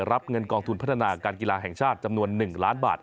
รับเงินกองทุนพัฒนาการกีฬาแห่งชาติจำนวน๑ล้านบาท